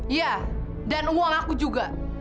iya dan uang aku juga